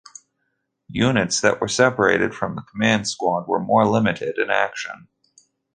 Units that were separated from the command squad were more limited in action.